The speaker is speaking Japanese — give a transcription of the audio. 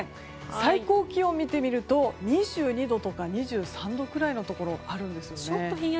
最高気温、見てみると２２度とか２３度くらいのところがあるんですね。